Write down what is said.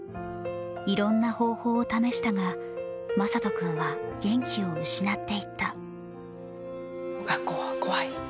いろんな方法を試したがまさと君は元気を失っていった。